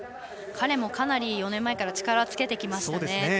彼も４年前からかなり力をつけてきました。